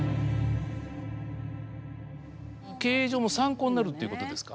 経営上も参考になるっていうことですか。